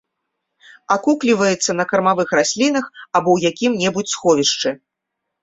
Акукліваецца на кармавых раслінах або ў якім-небудзь сховішчы.